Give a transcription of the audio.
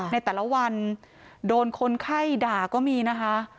ในแต่ละวันโดนคนไข้ด่าก็มีนะคะ